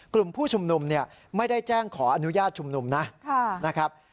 กลุ่มผู้ชุมนุมเนี่ยไม่ได้แจ้งขออนุญาตชุมนุมนะครับ